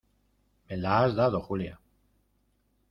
me las ha dado Julia.